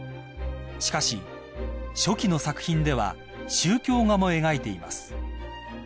［しかし初期の作品では宗教画も描いています］